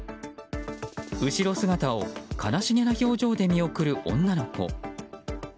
後ろ姿を悲しげな表情で見送る女の子。